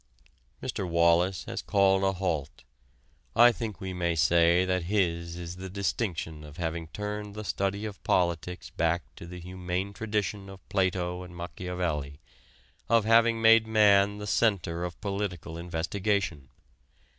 Mr. Wallas has called a halt. I think we may say that his is the distinction of having turned the study of politics back to the humane tradition of Plato and Machiavelli of having made man the center of political investigation.